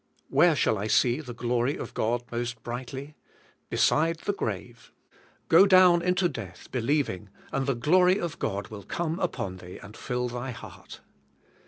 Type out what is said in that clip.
Where shall I see the glory oi DEAD WITH CHRIST 123 God most brightly ? Beside the grave. Go down into death believing, and the glory of God will come upon thee, and till thy heart.